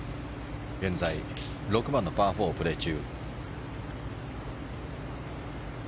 現在６番のパー４をプレー中。